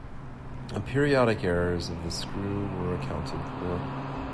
The periodic errors of the screw were accounted for.